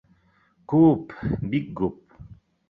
Күп, бик күп